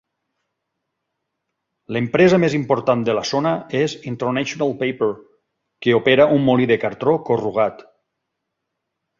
L"empresa més important de la zona és International Paper, que opera un molí de cartró corrugat.